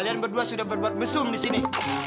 kalian berdua sudah berbuat mesum disini